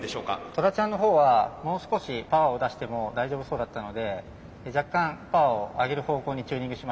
トラちゃんのほうはもう少しパワーを出しても大丈夫そうだったので若干パワーを上げる方向にチューニングしました。